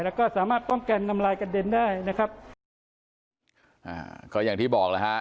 แล้วก็สามารถป้องกันน้ำลายกระเด็นได้นะครับอ่าก็อย่างที่บอกแล้วฮะ